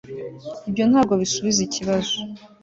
Ibyo ntabwo bisubiza ikibazo